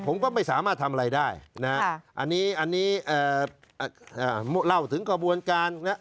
ผมก็ไม่สามารถทำอะไรได้นะอันนี้เล่าถึงกระบวนการนะ